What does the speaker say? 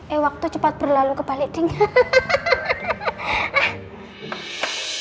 eh waktu cepat berlalu kebalik dingin